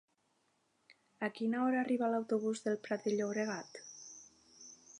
A quina hora arriba l'autobús del Prat de Llobregat?